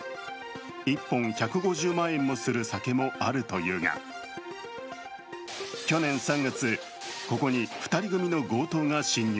１本１５０万円もする酒もあるというが去年３月、ここに２人組の強盗が侵入。